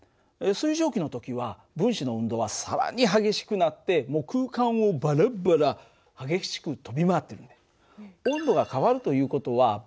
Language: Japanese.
水蒸気の時は分子の運動は更に激しくなってもう空間をバラバラ激しく飛び回ってるんだよ。